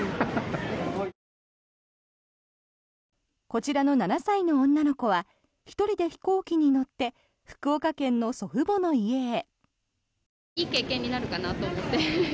こちらの７歳の女の子は１人で飛行機に乗って福岡県の祖父母の家へ。